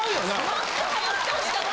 もっと早よ来てほしかった。